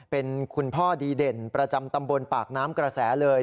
เป็นคุณพ่อดีเด่นประจำตำบลปากน้ำกระแสเลย